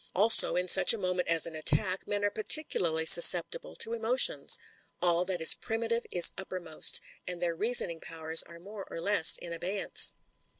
Also, in such a moment as an attack, men are particularly susceptible to emo tions. All that is primitive is uppermost, and their reasoning powers are more or less in abeyance."